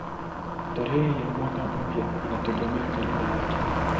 Tarehe ya mwaka mpya inategemea kalenda yake.